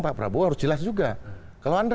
pak prabowo harus jelas juga kalau anda